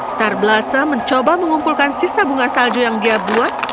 star blossom mencoba mengumpulkan sisa bunga salju yang dia buat